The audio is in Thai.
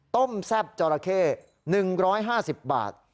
ต้มแซ่บจอราเข้๑๕๐บาท